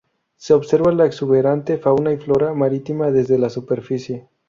Se observa la exuberante fauna y flora marítima desde la superficie.